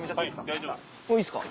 もういいですか？